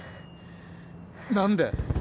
何で？